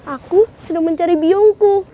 aku sudah mencari biongku